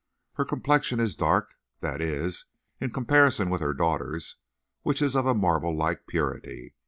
Her complexion is dark; that is, in comparison with her daughter's, which is of a marble like purity.